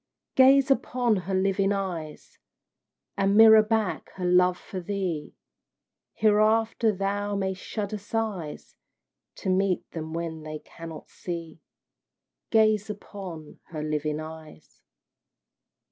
Gaze upon her living eyes, And mirror back her love for thee, Hereafter thou mayst shudder sighs To meet them when they cannot see. Gaze upon her living eyes!